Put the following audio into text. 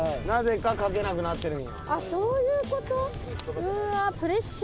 なぜか書けなくなってるんやあっそういうこと？